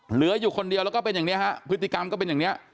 เหลืออยู่คนเดียวแล้วก็เป็นอย่างนี้ฮะพฤติกรรมก็เป็นอย่างนี้